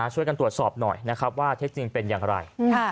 ช่วยกันตรวจสอบหน่อยนะครับว่าเท็จจริงเป็นอย่างไร